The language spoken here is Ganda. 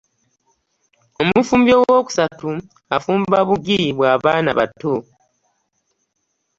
Omufumbi owokusatu afumba buggi baana abato.